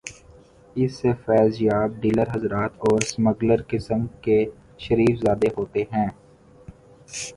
اس سے فیضیاب ڈیلر حضرات اور سمگلر قسم کے شریف زادے ہوتے ہیں۔